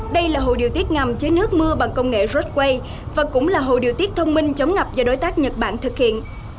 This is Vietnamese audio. đây là hồ điều tiết ngầm chế nước mưa bằng công nghệ ross quay và cũng là hồ điều tiết thông minh chống ngập do đối tác nhật bản thực hiện